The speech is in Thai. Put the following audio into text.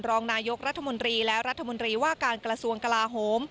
รองนายกรัฐมนตรีและรัฐมนตรีว่าการกระทรวงกลาโหม